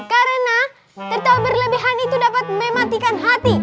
karena tertawa berlebihan itu dapat mematikan hati